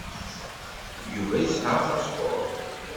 Yuba yesɛa apaspuṛ.